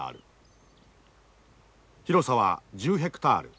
広さは１０ヘクタール。